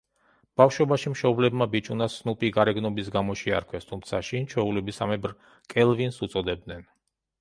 ბავშვობაში მშობლებმა ბიჭუნას „სნუპი“ გარეგნობის გამო შეარქვეს, თუმცა შინ ჩვეულებისამებრ კელვინს უწოდებდნენ.